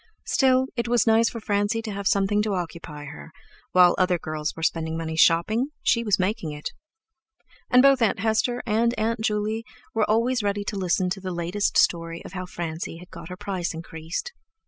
Still, it was nice for Francie to have something to occupy her; while other girls were spending money shopping she was making it! And both Aunt Hester and Aunt Juley were always ready to listen to the latest story of how Francie had got her price increased.